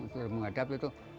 disuruh menghadap itu